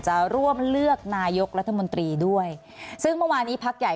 จะร่วมเลือกนายกรัฐมนตรีด้วยซึ่งเมื่อวานี้พักใหญ่